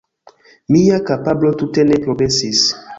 Mia kapablo tute ne progresis